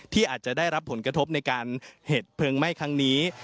อาจจะได้รับผลกระทบในการเหตุเพลิงไหม้ครั้งนี้